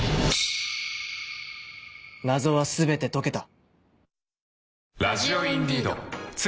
謎は全て解けた。